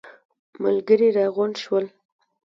ملګري راغونډ شول.